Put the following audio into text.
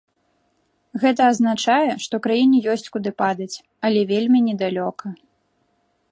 Гэта азначае, што краіне ёсць куды падаць, але вельмі не далёка.